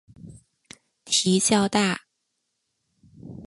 蹄较大。